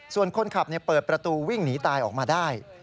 ส่วนคนขับเปิดประตูวิ่งหนีตายออกมาได้